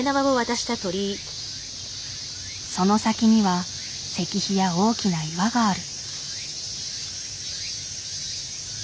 その先には石碑や大きな岩がある。